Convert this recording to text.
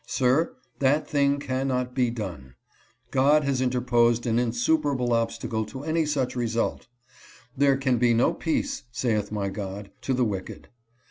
Sir, that thing cannot be done. God has interposed an insuperable obstacle to any such result. ' There can be no peace, saith my God, to the wicked.'